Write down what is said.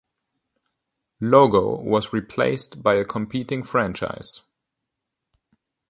Logo was replaced by a competing franchise.